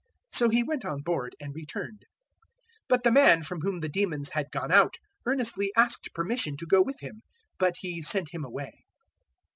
So He went on board and returned. 008:038 But the man from whom the demons had gone out earnestly asked permission to go with Him; but He sent him away.